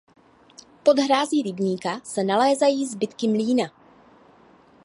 Pod hrází rybníka se nalézají zbytky mlýna.